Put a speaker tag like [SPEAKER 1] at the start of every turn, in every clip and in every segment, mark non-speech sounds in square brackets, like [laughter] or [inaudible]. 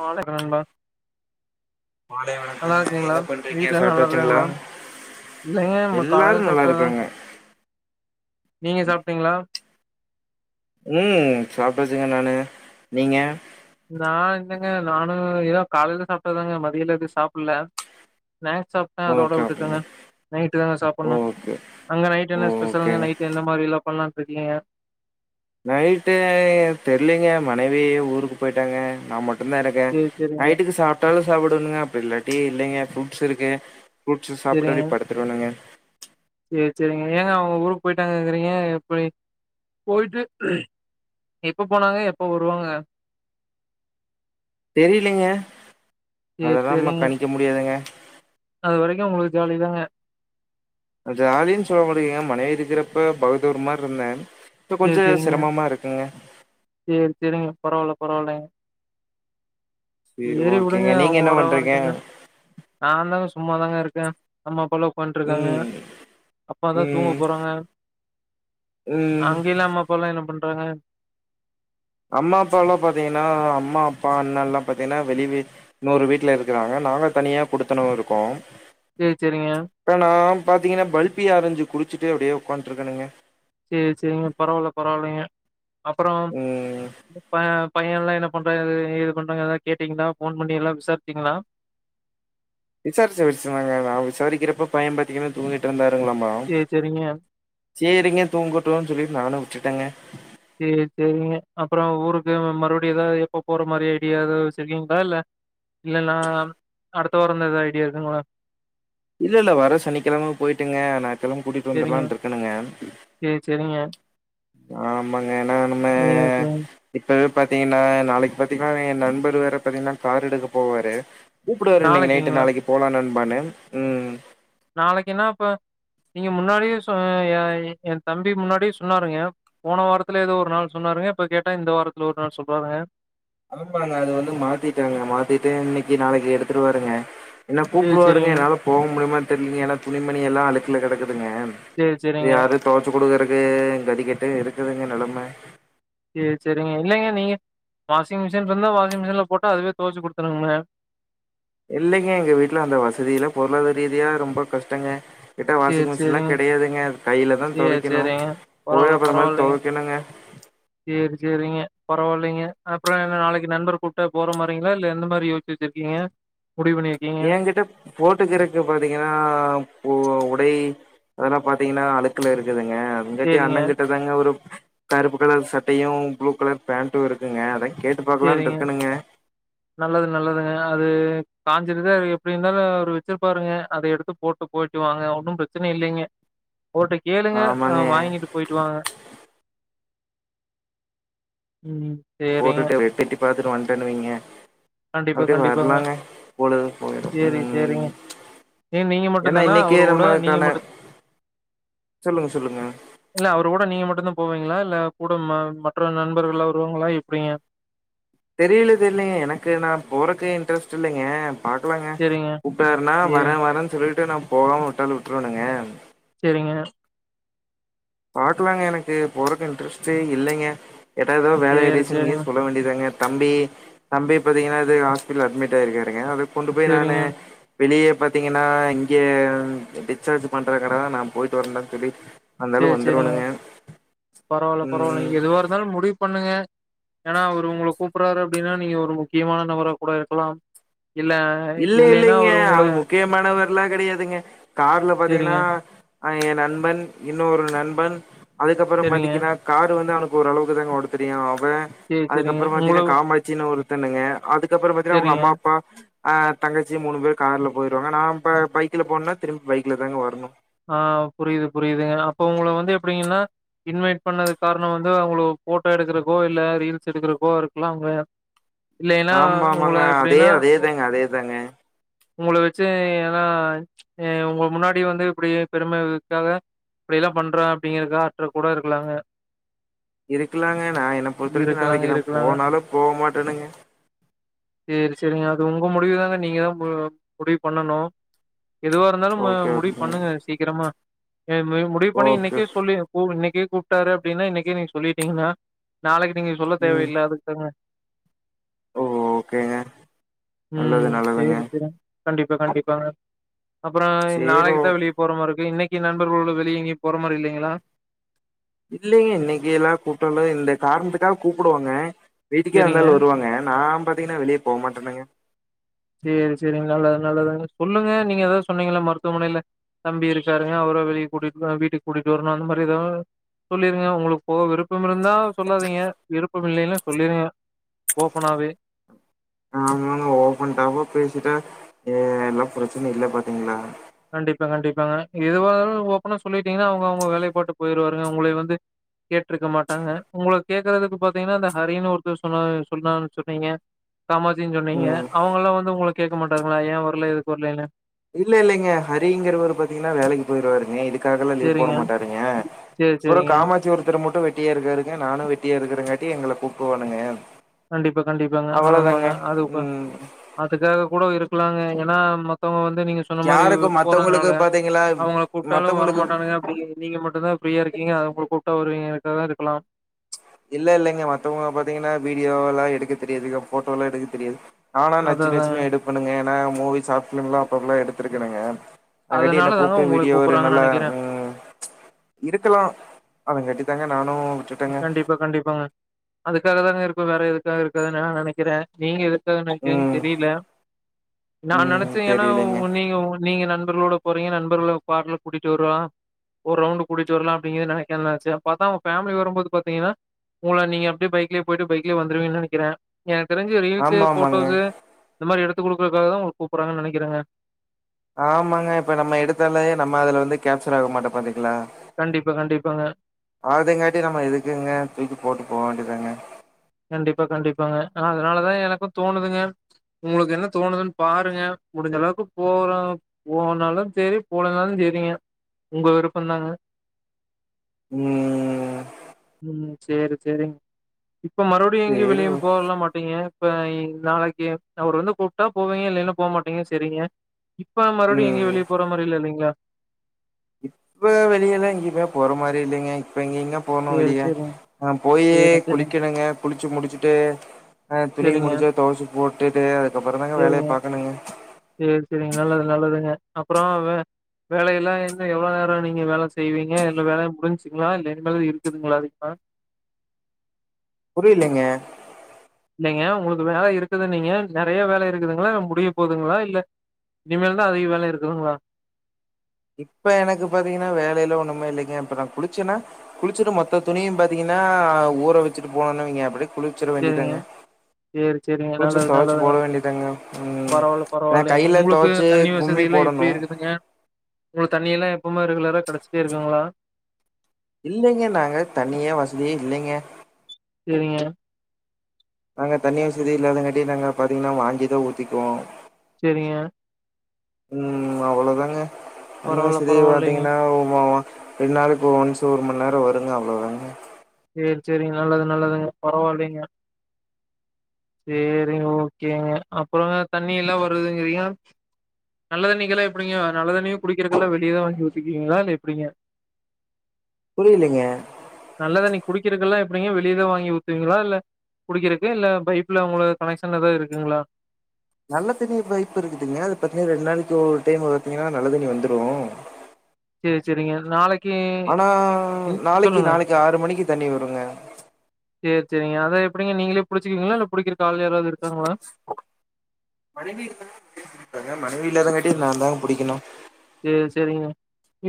[SPEAKER 1] வாணக்க நண்பா
[SPEAKER 2] மாலை
[SPEAKER 1] நல்லா
[SPEAKER 2] வணக்கங்க.
[SPEAKER 1] இருக்கீங்களா
[SPEAKER 2] என்ன பண்றீங்க?
[SPEAKER 1] வீட்ல எல்லா நல்லா
[SPEAKER 2] சாப்ட்டாச்சுங்களா?
[SPEAKER 1] இருக்காங்களா இல்லைங்க நம்ம காலைல
[SPEAKER 2] எல்லாரும் நல்லா
[SPEAKER 1] சாப்ட்டதா
[SPEAKER 2] இருக்காங்க.
[SPEAKER 1] நீங்க சாப்ட்டீங்களா
[SPEAKER 2] ம் சாப்டாசுங்க நானு நீங்க
[SPEAKER 1] நா இல்லங்க நானு இதா காலையில சாப்ட்டதாங்க மதியில எது சாப்பிட்ல ஸ்நாக்ஸ் சாப்ட்டே அதோட
[SPEAKER 2] ஓகே,
[SPEAKER 1] விட்டுட்டேங்க
[SPEAKER 2] ஓகேங்க.
[SPEAKER 1] நைட்டு தாங்க சாப்புட்ணு
[SPEAKER 2] ஓகே.
[SPEAKER 1] அங்க நைட் என்ன ஸ்பெஷல்ங்க
[SPEAKER 2] ஓகேங்க.
[SPEAKER 1] நைட் எந்த மாரில்லா பண்லான்ருக்கீங்க
[SPEAKER 2] நைட்டு தெரிலங்க மனைவி ஊருக்கு போயிட்டாங்க நா மட் டு தா இருக்கு
[SPEAKER 1] சேரி சேரிங்க
[SPEAKER 2] நைட்டுக்கு சாப்ட்டாலு சாப்டுவனுங்க அப்டி இல்லாட்டி இல்லைங்க ஃப்ரூட்ஸ் இருக்கு ஃப்ரூட்ஸு சாப்புட்டு
[SPEAKER 1] சேரிங்க
[SPEAKER 2] அப்டே படுத்துருவணுங்க
[SPEAKER 1] சேரி சேரிங்க ஏங்க அவுங்க ஊருக்கு போய்ட்டாங்கங்கிறீங்க எப்பிடி போய்ட்டு எப்ப போனாங்க எப்ப வருவாங்க
[SPEAKER 2] தெரிலீங்க
[SPEAKER 1] சேரி
[SPEAKER 2] அதெல்லா நம்ம
[SPEAKER 1] சேரிங்க
[SPEAKER 2] கணிக்க முடியாதுங்க
[SPEAKER 1] அது வரைக்கு உங்களுக் ஜாலி தாங்க
[SPEAKER 2] ஜாலின் சொல்ல முடிலீங்க மனைவி இருக்கறப்ப பகுதூர் மார்ருந்தே இப்ப கொஞ்ச
[SPEAKER 1] சேரி சேரிங்க
[SPEAKER 2] சிரமமா இருக்குங்க
[SPEAKER 1] சேரி சேரிங்க பரவால்ல பரவால்லைங்
[SPEAKER 2] சரி
[SPEAKER 1] சேரி உடுங்க
[SPEAKER 2] ஓகேங்க. நீங்க
[SPEAKER 1] அவுங்க
[SPEAKER 2] என்ன
[SPEAKER 1] வர
[SPEAKER 2] பண்றீங்க?
[SPEAKER 1] வரைக்கு தா நானு தாங்க சும்மாதாங்க இருக்கே அம்மா அப்பாலா ஒக்காந்ட்ருக்காங்க
[SPEAKER 2] ம்
[SPEAKER 1] அப்பா தா தூங்க
[SPEAKER 2] ம்
[SPEAKER 1] போறாங்க
[SPEAKER 2] ம்
[SPEAKER 1] அங்கில்லா அம்மா அப்பாலா என்ன பண்றாங்க
[SPEAKER 2] அம்மா அப்பாலா பாத்தீங்கன்னா அம்மா அப்பா அண்ணல்லா பாத்தீங்கனா வெளியவே இன்னோரு வீட்ல இருக்கறாங்க நாங்க தனியா குடுத்தனோ இருக்கோ
[SPEAKER 1] ம் செரிங்க
[SPEAKER 2] ப்ப நா பாத்தீங்கனா பல்ப்பி ஆரஞ்சு குடிச்சிட்டு அப்டியே உக்காந்ட்ருக்கணுங்க
[SPEAKER 1] சேர் சேரிங்க பரவால்ல பரவால்லைங்க அப்பறோ
[SPEAKER 2] ம்
[SPEAKER 1] உங்க ப பைய எல்லா என்ன பண்றா எது ஏது பண்றா அதுலா கேட்டீங்ளா ஃபோன் பண்ணி எல்லா விசார்ச்சீங்ளா
[SPEAKER 2] விசார்ச்ச விஸ்சிர்ந்தாங்க நா விசாரிக்கிறப்ப பைய பாத்தீங்ன்னா தூங்கிட்ருந்தாருங்களாமா
[SPEAKER 1] சேர் சேரிங்க
[SPEAKER 2] சேரிங்க தூங்கட்டுன் சொல்லிட் நானு விட்டுட்டங்க
[SPEAKER 1] சேர் சேரிங்க அப்பறோ ஊருக்கு மறுப்டியு எதா எப்ப போற மாரி ஐடியா எது வெச்சிருக்கீங்ளா இல்ல இல்லனா அடுத்த வாரந்தா எது ஐடியா இருக்குங்ளா
[SPEAKER 2] இல்லல்ல வர சனிக்கெழம போய்ட்டுங்க ஞாய்த்துக்கெழம கூட்டிட் வந்தர்லான்ட்ருக்கணுங்க
[SPEAKER 1] சேர் சேரிங்க
[SPEAKER 2] ஆமாங்க ஏனா நம்ம
[SPEAKER 1] சேர் சேர்
[SPEAKER 2] இப்பவே பாத்தீங்கனா நாளைக் பாத்தீங்ன்னா எ நண்பர் வேற பாத்தீங்னா கார் எடுக்க போவாரு கூப்டுவாரு இன்னைக் நைட்டு
[SPEAKER 1] நாளைக்கிங்களா
[SPEAKER 2] நாளைக்கு போலா நண்பானு ம்
[SPEAKER 1] நாளைக்குன்னா அப்ப நீங்க முன்னாடியே சொ யா இ எந்தம்பி முன்னாடியே சொன்னாருங்க போன வாரத்துல ஏதோ ஒரு நாள் சொன்னாருங்க இப்ப கேட்டா இந்த வாரத்துல ஒரு நாள் சொல்றாருங்க
[SPEAKER 2] ஆமாங்க அது வந்து மாத்தீட்டாங்க மாத்தீட்டு இன்னைக்கு நாளைக்கு எடுத்துருவாருங்க என்ன
[SPEAKER 1] சேரி
[SPEAKER 2] கூப்டுவாருங்க
[SPEAKER 1] சேரிங்க
[SPEAKER 2] என்னால போ முடியுமான் தெர்லீங்க ஏனா துணிமணி எல்லா அழுக்குல கெடக்குதுங்க
[SPEAKER 1] சேர் சேரிங்
[SPEAKER 2] அது யாரு தொவச்சு குடுக்கறக்கு கதி கெட்டு இருக்குதுங்க நெலம
[SPEAKER 1] சேர் செரிங்க இல்லைங்க நீங்க வாஷிங் மிஷின்ருந்தா வாஷிங் மிஷின்ல போட்டா அதுவே தொவச்சு குடுத்துருங்க
[SPEAKER 2] இல்லைங்க எங்க வீட்ல அந்த வசதில்லா பொருளாதார் ரீதியா ரொம்ப கஷ்டங்க கிட்ட வாஷிங்
[SPEAKER 1] சேரி
[SPEAKER 2] மிஷின்லா
[SPEAKER 1] சேரிங்க
[SPEAKER 2] கெடையாதுங்க அது கைல தா
[SPEAKER 1] சேரி
[SPEAKER 2] தொவைக்கணு
[SPEAKER 1] சேரிங்க
[SPEAKER 2] போய் அப்பறமே தொவைக்கணுங்க
[SPEAKER 1] சேர் சேரிங்க பரவால்லைங்க அப்பறோ என்ன நாளைக்கு நண்பர் கூப்ட்ட போற மாரிங்ளா இல்ல எந்த மாரி யோஸ்ச்சு வெச்சிருக்கீங்க
[SPEAKER 2] ஏங்கிட்ட போட்டுக்கறக்கு பாத்தீங்கன்னா ஓ உடை அதெல்லா பாத்தீங்கன்னா அழுக்குல இருக்குதுங்க உங்கிட்டயு
[SPEAKER 1] சேரிங்க
[SPEAKER 2] அண்ணங்கிட்ட தாங்க ஒரு கருப்பு கலர் சட்டையு, ப்ளூ கலர் பேண்ட்டு இருக்குங்க அதா கேட்டு
[SPEAKER 1] சேரிங்க
[SPEAKER 2] பாக்கலான்ட்ருக்கணுங்க
[SPEAKER 1] நல்லது நல்லதுங்க அது காஞ்சிருது அது எப்டி இருந்தாலு அவுரு வெச்சிருப்பாருங்க அத எடுத்து போட் டு போய்ட்டு வாங்க ஒன்னு பிரச்சனை இல்லைங்க ஒருட்ட கேளுங்க அ
[SPEAKER 2] ஆமாங்க
[SPEAKER 1] வாங்கிட்டு போயிட்டுவாங்க ம் சேரிங்க.
[SPEAKER 2] போட்டுட்டு வெட்டிட்டி பாத்துட்டு வன்டேனு வெய்ங்க
[SPEAKER 1] கண்டிப்பா,
[SPEAKER 2] அப்டி
[SPEAKER 1] கண்டிப்பாங்க.
[SPEAKER 2] வரலங்க பொழுதே போயுரு
[SPEAKER 1] சேரி, சேரிங்க.
[SPEAKER 2] ம்
[SPEAKER 1] ஏ நீங்க மட்டும்
[SPEAKER 2] ஏன்னா
[SPEAKER 1] தானா
[SPEAKER 2] இன்னைக்கே
[SPEAKER 1] அவரோட? நீங்க
[SPEAKER 2] நம்மளுக்கான
[SPEAKER 1] மட்டும்
[SPEAKER 2] சொல்லுங்க சொல்லுங்க
[SPEAKER 1] இல்ல அவரு கூட நீங்க மட்டு தா போவீங்களா இல்ல கூட ம மற்ற நண்பர்கள்லா வருவாங்களா எப்டிங்க
[SPEAKER 2] தெரியல தெர்லங்க எனக்கு நா போறக்கே இன்ட்ரெஸ்ட் இல்லைங்க பாக்கலாங்க
[SPEAKER 1] சேரிங்க.
[SPEAKER 2] கூப்ட்டாருன்னா
[SPEAKER 1] சே
[SPEAKER 2] வரே வரேன்னு சொல்லிட்டு நா போகாம விட்டாலு விட்டுருவேனுங்க
[SPEAKER 1] செரிங்க
[SPEAKER 2] பாக்கலாங்க எனக்கு போறக்கு இன்ட்ரெஸ்ட்டே இல்லைங்க கேட்டா எத வேலய
[SPEAKER 1] சேரி, சேரிங்க,
[SPEAKER 2] ரீசன்ய சொல்ல வேண்டியதாங்க தம்பி தம்பி பாத்தீங்கன்னா அது ஹாஸ்பிடல அட்மிட் ஆயிருக்காருங்க அதுக்கு கொண்டு போய் நானு
[SPEAKER 1] சேரிங்க.
[SPEAKER 2] வெளியே பாத்தீங்கன்னா இங்கே டிஸ்சார்ஜ் பண்ற கட நா போயிட்டு வரேன் சொல்லி வந்தாலும்
[SPEAKER 1] சேரி சேரிங்க
[SPEAKER 2] வந்துருவனுங்க
[SPEAKER 1] பரவாயில்ல பரவாயில்ல நீங்க
[SPEAKER 2] ம்
[SPEAKER 1] எதுவா இருந்தாலு முடிவு பண்ணுங்க ஏன்னா அவரு உங்கள கூப்புறாரு அப்டின்னா நீங்க ஒரு முக்கியமான நபரா கூட இருக்கலாம் இல்ல
[SPEAKER 2] இல்ல
[SPEAKER 1] இல்லைன்னா
[SPEAKER 2] இல்லைங்க
[SPEAKER 1] அவரு உங்கள
[SPEAKER 2] அவர் முக்கியமானவர்ல்லா கெடையாதுங்க கார்ல
[SPEAKER 1] சேரிங்க,
[SPEAKER 2] பாத்தீங்கன்னா அ எ நண்பன் இன்னொரு நண்பன் அதுக்கப்புறம்
[SPEAKER 1] சேரிங்க.
[SPEAKER 2] பாத்தீங்கன்னா காரு வந்து அவனுக்கு ஓரளவுக்கு தாங்க ஓட்ட தெரியு அவ
[SPEAKER 1] சேரி, சேரிங்க.
[SPEAKER 2] அதுக்கப்புற
[SPEAKER 1] உங்கள
[SPEAKER 2] பாத்தீங்கன்னா காமாட்சின்னு ஒரு பொண்ணுங்க அதுக்கப்புற பாத்திங்கனா அவுங்க
[SPEAKER 1] சேரிங்க.
[SPEAKER 2] அம்மா அப்பா ஆ தங்கச்சி மூணு பேர் கார்ல போயிடுவாங்க நா இப்ப பைக்ல போனுனா திரும்பி பைக்ல தாங்க வரணு
[SPEAKER 1] ஆ புரியுது புரியுதுங்க அப்ப உங்க வந்து எப்டிங்கன்னா இன்வைட் பண்ணது காரண வந்து அவுங்களுக்கு போட்டோ எடுக்குறக்கோ இல்ல ரீல்ஸ் எடுக்குறக்கோ இருக்கலா அவுங்க இல்லைன்னா
[SPEAKER 2] ஆமா ஆமாங்க
[SPEAKER 1] உங்கள
[SPEAKER 2] அதே
[SPEAKER 1] எப்டின்னா
[SPEAKER 2] அதேதாங்க அதேதாங்க
[SPEAKER 1] உங்கள வச்சு ஏன்னா உங்க முன்னாடி வந்து அப்டியே பெருமைகளுக்காக இப்டிதா பண்ற அப்டிங்கறத காட்றதுக் கூட இருக்கலாங்க
[SPEAKER 2] இருக்கலாங்க நா என்ன பொறுத்தவருக்கு
[SPEAKER 1] இருக்கலாங்க,
[SPEAKER 2] நாளைக்கு நா
[SPEAKER 1] இருக்கலாங்க.
[SPEAKER 2] போனாலு போக மாட்டோனுங்க
[SPEAKER 1] சேரி சேரிங்க அது உங்க முடிவு தாங்க நீங்க தா முடிவு பண்ணனு எதுவா இருந்தாலு அ
[SPEAKER 2] ஓகே
[SPEAKER 1] முடிவு
[SPEAKER 2] ஓகேங்க
[SPEAKER 1] பண்ணுங்க சீக்கிரமா முடிவு பண்ணி
[SPEAKER 2] ஓகே
[SPEAKER 1] இன்னைக்கே சொல்லி இன்னைக்கே கூப்ட்டாரு அப்டின்னா இன்னைக்கே நீங்க சொல்லிட்டீங்கன்னா நாளைக்கு நீங்க சொல்ல
[SPEAKER 2] ம்
[SPEAKER 1] தேவையில்ல அதுக்கு தாங்க
[SPEAKER 2] ஓ ஓகேங்க நல்லது
[SPEAKER 1] ம்
[SPEAKER 2] நல்லதுங்க
[SPEAKER 1] சேரி சேரி கண்டிப்பா கண்டிப்பாங்க அப்புற நாளைக்
[SPEAKER 2] சேரோ
[SPEAKER 1] கி போற மாரி இருக்கு இன்னைக்கு நண்பர்களோட வெளிய எங்கயு போற மாரி இல்லைங்களா
[SPEAKER 2] இல்லைங்க இன்னைக்கு எல்லா கூட்டாலு இந்த காரணத்துக்காக கூப்புடுவாங்க வீட்டுக்கே
[SPEAKER 1] சரிங்க.
[SPEAKER 2] வந்தாலு வருவாங்க நா பாத்தீங்கன்னா வெளியே போக மாட்டேனுங்க
[SPEAKER 1] சேரி சேரி நல்லது நல்லதுங்க சொல்லுங்க நீங்க ஏதாவது சொன்னீங்க மருத்துவமனையில தம்பி இருக்காருங்க அவர வெளிய கூட்டிட்டு வீட்டுக்கு கூட்டிட்டு வரணு அந்த மாதிரி எதாவது சொல்லிருங்க உங்களுக்கு போக விருப்பம் இருந்தா சொல்லாதீங்க விருப்பம் இல்லைன்னு சொல்லிருங்க ஓப்பனாவே
[SPEAKER 2] ஆமாங்க ஓபன்டாபா பேசிட்டா எல்லா பிரச்சன இல்ல பாத்தீங்களா
[SPEAKER 1] கண்டிப்பா கண்டிப்பாங்க எதுவா இந்தாலு ஓப்பனா சொல்லிட்டீங்கன்னா அவுங்க அவுங்க வேலையப்பாட்டு போயிருவாருங்க உங்கள வந்து கேட்ருக்க மாட்டாங்க உங்களுக்கு கேக்குறதுக்கு பாத்தீங்கன்னா இந்த ஹரின்னு ஒருத்தர் சொன்ன சொன்னான்னு சொன்னீங்க காமாச்சின்னு சொன்னீங்க
[SPEAKER 2] ம்
[SPEAKER 1] அவுங்கல்லா வந்து உங்களுக்கு கேட்க மாட்டாங்களா ஏ வரல எதுக்கு வரலன்னு
[SPEAKER 2] இல்ல இல்லைங்க ஹரிங்குறவரு பாத்தீங்கன்னா வேலைக்கு போயிடுவாருங்க இதுக்கு காகலா லீவ் போட
[SPEAKER 1] சேரிங்க
[SPEAKER 2] மாட்டாருங்க
[SPEAKER 1] சேரி
[SPEAKER 2] அப்பறோ
[SPEAKER 1] சேரிங்க
[SPEAKER 2] காமாட்சி ஒருத்தர மட்டு வெட் வெட்டியா இருக்காருங்க நானு வெட்டியா இருக்குறங்காட்டி எங்கள கூப்டுவாணுங்க
[SPEAKER 1] கண்டிப்பா கண்டிப்பாங்க ஆமாங்க அதுக்கா
[SPEAKER 2] ம்
[SPEAKER 1] அதுக்காக கூட இருக்கலாங்க ஏன்னா மத்தவங்க வந்து நீங்க சொன்ன மாரி
[SPEAKER 2] யாருக்கு
[SPEAKER 1] போறதுனால
[SPEAKER 2] மத்தவங்களுக்கு பாத்தீங்களா
[SPEAKER 1] அவுங்கள கூப்டாலு
[SPEAKER 2] மத்தவங்களுக்கு
[SPEAKER 1] வரமாட்டானுங்க நீங்க நீங்க மட்டும் தா ஃப்ரீயா இருக்கீங்க அதா உங்க கூப்டா வருவிங்க அதுக்காக இருக்கலாம்
[SPEAKER 2] இல்ல இல்லைங்க மத்தவங்க பாத்தீங்கன்னா வீடியோ எல்லா எடுக்க தெரியாது ஃபோட்டோ எல்லா எடுக்க தெரியாது நானா நச்சி
[SPEAKER 1] அததா
[SPEAKER 2] நச்சின்னு எடுபேனுங்க ஏன்னா மூவி ஷார்ட் ஃபிலிம்லா அப்ப அப்பல்லா எடுத்திருக்கேணுங்க அங்காட்டி
[SPEAKER 1] அதனால
[SPEAKER 2] என்ன
[SPEAKER 1] தாங்க
[SPEAKER 2] கூப்டு
[SPEAKER 1] உங்கள
[SPEAKER 2] வீடிய ஒரு
[SPEAKER 1] கூப்பறாங்கன்னு
[SPEAKER 2] நல்லா
[SPEAKER 1] நெனைக்கிறே
[SPEAKER 2] ம் இருக்குறோ அத காட்டித்தாங்க நானு விட்டுட்டேங்க
[SPEAKER 1] கண்டிப்பா கண்டிப்பாங்க அதுக்காக தாங்க இருப்போ வேற எதுக்காக இருக்காது நா நெனைக்கிறே நீங்க அதா எனக்கேன்
[SPEAKER 2] ம்
[SPEAKER 1] தெரில நான்
[SPEAKER 2] ம்
[SPEAKER 1] நனைச்சே ஏன்னா
[SPEAKER 2] தெரிலைங்க
[SPEAKER 1] நீங்க நீங்க நண்பர்களோட போறீங்க நண்பர்கள பார்லர் கூட்டிட்டு வர்லா ஒரு ரவுண்ட் குடிச்சி வர்லா அப்டிங்கிறது எனக் என் ஆச்சி அப்ப பாத்தா அவுங்க ஃபேமிலி வரும் வரும் போது பாத்தீங்கன்னா உங்கள நீங்க அப்டியே பைக்லயே போயிட்டு பைக்லயே வந்துருவிங்கன்னு நெனைக்கிறே எனக்கு தெரிஞ்சி ரீல்ஸ்ஸு
[SPEAKER 2] ஆமா ஆமாங்க
[SPEAKER 1] ஃபோட்டோஸு இந்த மாரி எடுத்து குடுக்கறக்காக தா உங்கள கூப்புட்றங்கன்னு நெனைக்கிறேங்க
[SPEAKER 2] ஆமாங்க இப்ப நம்ம எடுத்தாலேயே நம்ம அதுல வந்து கேப்சல் ஆக மாட்டோ பாத்திக்களா
[SPEAKER 1] கண்டிப்பா கண்டிப்பாங்க
[SPEAKER 2] ஆதுங்காட்டி நம்ம எதுக்குங்க தூக்கி போட்டு போக வேண்டியதாங்க
[SPEAKER 1] கண்டிப்பா கண்டிப்பாங்க அதனாலதா எனக்கு தோணுதுங்க உங்களுக்கு என்ன தோணுதுன்னு பாருங்க முடிஞ்ச அளவுக்கு போறோ போனாலு செரி போலனாலு செரிங்க உங்க விருப்போ தாங்க
[SPEAKER 2] ம்
[SPEAKER 1] ம் சேரி சேரிங்க இப்ப மறுபடியு எங்கயு
[SPEAKER 2] சேரி
[SPEAKER 1] வெளியும்
[SPEAKER 2] ஓ
[SPEAKER 1] போகல்லா மாட்டீங்க இப்ப நாளைக்கு அவரு வந்து கூப்டா போவீங்க இல்லைன போகமாட்டீங்க செரிங்க இப்ப மறுபடியு எங்கயு
[SPEAKER 2] ம்
[SPEAKER 1] வெளிய போற மாரி இல்ல இல்லைங்ளா
[SPEAKER 2] இப்ப வெளிய எல்லா எங்கயுமே போற மாரி இல்லைங்க இப்ப எங்கேங்க போணு
[SPEAKER 1] சேரி,
[SPEAKER 2] வெளிய
[SPEAKER 1] சேரிங்க.
[SPEAKER 2] நா போயே
[SPEAKER 1] சேரி, சேரிங்க.
[SPEAKER 2] குளிக்கணுங்க குளிச்சி முடிச்சிட்டு ஆ துணி
[SPEAKER 1] சேரிங்க,
[SPEAKER 2] முடிஞ்சா தோச போட்டுட்டு அதுக்கப்புறோ தாங்க வேலையே
[SPEAKER 1] சேரிங்க.
[SPEAKER 2] பாக்கணுங்க
[SPEAKER 1] சேரி சேரிங்க நல்லது நல்லதுங்க அப்றோ அது வேலை எல்லா என்ன எவ்ளோ நேரோ நீங்க வேல செய்வீங்க எல்லா வேலையு முடிஞ்சிங்ளா இல்ல இனி மேலு இருக்குதுங்ளா அதிகமா
[SPEAKER 2] புரிலைங்க
[SPEAKER 1] இல்லைங்க உங்களுக்கு வேல இருக்குதுன்னிங்க ந நெறைய வேல இருக்குதுங்ளா முடிய போதுங்ளா இல்ல இனிமேல்தா அதிக வேல இருக்குதுங்ளா
[SPEAKER 2] இப்ப எனக்கு பாத்தீங்கன்னா வேல எல்லா ஒன்னுமே இல்லைங்க இப்ப நா குளிச்சேன்னா குளிச்சிட்டு மொத்த துணியு பாத்தீங்கன்னா ஊற வெச்சிட்டு போனோம்னுவெயிங்க அப்டியே குளிச்சிட
[SPEAKER 1] சேரிங்க.
[SPEAKER 2] வேண்டிதாங்க
[SPEAKER 1] சேரி சேரிங்க நல்லது நல்லது
[SPEAKER 2] வேண்டியதாங்க ம்
[SPEAKER 1] பரவால்ல
[SPEAKER 2] ஏன்னா
[SPEAKER 1] பரவால்லைங்க
[SPEAKER 2] கையில
[SPEAKER 1] உங்களுக்கு
[SPEAKER 2] தொவச்சு
[SPEAKER 1] தண்ணி
[SPEAKER 2] கும்மி
[SPEAKER 1] வசதில்லா
[SPEAKER 2] போடணு
[SPEAKER 1] எப்டி இருக்குதுங்க உங்களுக்கு தண்ணி எல்லா எப்பவுமே ரெகுலரா கெடச்சிட்டே இருக்குங்களா
[SPEAKER 2] இல்லைங்க நாங்க தண்ணியே வசதியே இல்லைங்க
[SPEAKER 1] சேரிங்க
[SPEAKER 2] நாங்க தண்ணி வசதி இல்லாதங்காட்டி நாங்க பாத்தீங்கன்னா வாங்கிதா ஊத்திக்குவோ
[SPEAKER 1] செரிங்க
[SPEAKER 2] ம் அவ்ளதாங்க தண்ணி
[SPEAKER 1] பரவால்ல,
[SPEAKER 2] வசதி
[SPEAKER 1] பரவால்லைங்க.
[SPEAKER 2] பாத்தீங்கன்னா உ வா வா ரெண்டு நாளைக்கு ஒன்ஸ் ஒரு மணி நேரோ வருங்க அவ்ளோ தாங்க
[SPEAKER 1] சேரி சேரிங்க நல்லது நல்லதுங்க பரவால்லைங்க சேரிங்க ஓகேங்க அப்றோங்க தண்ணி எல்லா வருதுங்கறீங்க நல்ல தண்ணிக்கெல்லா எப்டிங்க நல்ல தண்ணியு குடிக்கிறக்கெல்லா வெளியவே வாங்கி ஊத்திக்குவிங்ளா இல்ல எப்டிங்க
[SPEAKER 2] புரியலிங்க
[SPEAKER 1] நல்ல தண்ணி குடிக்கறக்கு எல்லா எப்டிங்க வெளிய தா வாங்கி ஊத்துவீங்களா இல்ல குடிக்றக்கு இல்ல பைப் உள்ள உங்களுக் கனெக்ஷன் எதாவ் இருக்குங்ளா
[SPEAKER 2] நல்ல தண்ணி பைப்பு இருக்குதுங்க அது பாத்தீங்ன்னா ரெண்டு நாளைக்கு ஒரு டைம் பாத்தீங்கன்னா நல்ல தண்ணி வந்துரு
[SPEAKER 1] சேரி சேரிங்க நாளைக்கு
[SPEAKER 2] ஆனா
[SPEAKER 1] ம்
[SPEAKER 2] நாளைக்கு நாளைக்கு ஆறு மணிக்கு தண்ணி வருங்க
[SPEAKER 1] செரி செரிங்க அதா எப்டிங்க நீங்களே புடிச்சுக்குவீங்ளா இல்ல புடிக்கிறக்கு ஆள் யாராவது இருக்காங்ளா
[SPEAKER 2] [inaudible] மனைவி இல்லாதங்காட்டி நா தாங்க பிடிக்கணு
[SPEAKER 1] சேரி சேரிங்க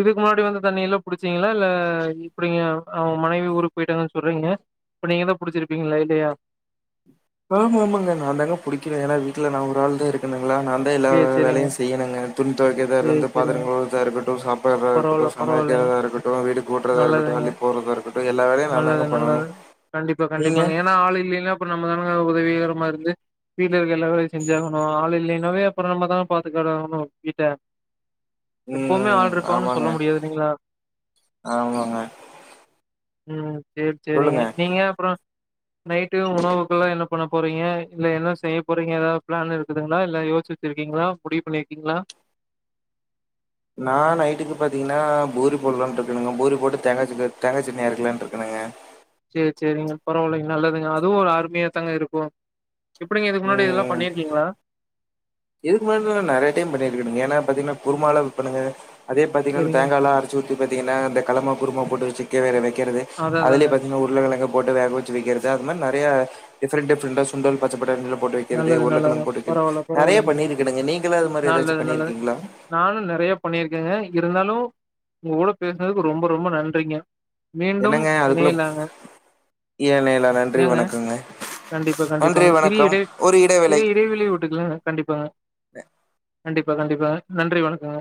[SPEAKER 1] இதுக்கு முன்னாடி வந்த தண்ணி எல்லா புடிச்சீங்ளா இல்ல எப்டிங்க அவங்க மனைவி ஊருக்கு போயிட்டாங்கன் சொல்றீங்க அப்ப நீங்க தா புடிச்சிருப்பீங்களா இல்லையா
[SPEAKER 2] ஆமா ஆமாங்க நா தாங்க புடிக்குறே ஏனா வீட்ல நா ஒரு ஆள் தா இருக்கேனுங்களா நா தா எல்லா
[SPEAKER 1] சேரி சேரிங்க
[SPEAKER 2] வேலையு செய்யணுங்க துணி தொவைக்குறதா
[SPEAKER 1] சேரி
[SPEAKER 2] இருந்து பாத்திரோ
[SPEAKER 1] சேரிங்க
[SPEAKER 2] கழுவுறதா இருக்கட்டு சாப் பிறதா இருக்கட்டு
[SPEAKER 1] பரவால்ல பரவால்லைங்க
[SPEAKER 2] சமைக்கிறதா இருக்கட்டு வீடு கூட்றதா இருக்கட்டு
[SPEAKER 1] நல்லதுங்க
[SPEAKER 2] அள்ளி போட்றதா இருக்க
[SPEAKER 1] நல்லது நல்லது கண்டிப்பா
[SPEAKER 2] நீங்க?
[SPEAKER 1] கண்டிப்பாங்க ஏனா ஆளு இல்லைன்னா அப்றோ நம்ம தானுங்க உதவிகரமா இருந்து வீட்ல இருக்க எல்லா வேலையு செஞ்சாகணு ஆள் இல்லைன்னாவே அப்புறோ நம்ம தா பாத்துக்கிடனு வீட்ட எப்பவுமே
[SPEAKER 2] ம்.
[SPEAKER 1] ஆள் இருப்பாங்கன்னு
[SPEAKER 2] ஆமாங்க,
[SPEAKER 1] சொல்ல முடியாது இல்லைங்ளா
[SPEAKER 2] ஆமாங்க
[SPEAKER 1] ம் செரி செரிங்க
[SPEAKER 2] சொல்லுங்க.
[SPEAKER 1] நீங்க அப்றோ நைட்டு உணவுக்கெல்லா என்ன பண்ண போறீங்க இல்ல என்ன செய்ய போறீங்க ஏதாவ் பிளான் இருக்குதுங்ளா இல்ல யோஸ்ச்சி இருக்கீங்ளா முடிவு பண்ணியிருக்கீங்ளா
[SPEAKER 2] நா நைட்டுக்கு பாத்தீங்ன்னா பூரி போடலான் இருக்கனுங்க பூரி போட்டு தேங்கா சிசர் தேங்கா சட்னி அரைக்கலான் இருக்கனுங்க
[SPEAKER 1] செரி செரிங்க பரவாயில்லைங்க நல்லதுங்க அதுவு ஒரு அருமையா தாங்க இருக்கு எப்டிங்க இதுக்கு முன்னாடி இதெல்லா
[SPEAKER 2] ம்.
[SPEAKER 1] பண்ணிருக்கீங்ளா
[SPEAKER 2] இதுக்கு முன்னாடி நா நெறைய டைம் பண்ணி இருக்கனுங்க ஏனா பாத்தீங்ன்னா குருமாலா விப்பேனுங்க அதே பாத்தீங்கன்
[SPEAKER 1] சேரிங்க
[SPEAKER 2] தேங்காலா அரச் சு ஊத்தி பாத்தீங்கன்னா இந்த களமா குருமா போட்டு வச்சுக்கே வேற வைக்கறது
[SPEAKER 1] அதா அதா
[SPEAKER 2] அதலே பாத்தீங்ன்னா ஒரு உருள கெழங்க போட்டு வேக வச்சு வைக்கிறது அது மாரி நெறையா டிஃபரன்ட் டிஃபரன்டா ஸ் சுண்டல் பச்ச பட்டாணிலா போட்டு வைக்கிறது
[SPEAKER 1] நல்லது நல்லது.
[SPEAKER 2] உருளைக்கெழங்கு போட்டு வைக்கிறது
[SPEAKER 1] பரவால்ல
[SPEAKER 2] நெறையா
[SPEAKER 1] பரவால்லங்க.
[SPEAKER 2] பண்ணி இருக்கேனுங்க நீங்களு அது மாதிரி ஏதாச்சு பண்ணிருக்கீங்ளா
[SPEAKER 1] நானு நெறையா பண்ணியிருக்கேங்க இருந்தாலு உங்கூட பேசுனதுக்கு ரொம்ப ரொம்ப நன்றிங்க மீண்டும்
[SPEAKER 2] என்னங்க அதுக்குள்ள
[SPEAKER 1] இணையலாங்க
[SPEAKER 2] ஏழைலா நன்றி
[SPEAKER 1] ஏங்க
[SPEAKER 2] வணக்கங்க
[SPEAKER 1] கண்டிப்பா
[SPEAKER 2] நன்றி
[SPEAKER 1] கண்டிப்பாங்க சிறிய
[SPEAKER 2] வணக்கம்
[SPEAKER 1] இடை
[SPEAKER 2] ஒரு இடைவேளை
[SPEAKER 1] சிறிய இடைவெளி விட்டுக்லாங்க கண்டிப்பாங்க கண்டிப்பா கண்டிப்பாங்க நன்றி வணக்கங்க